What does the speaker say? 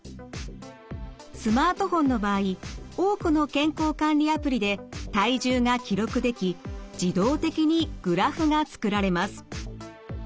スマートフォンの場合多くの健康管理アプリで体重が記録でき自動的にグラフが作られます。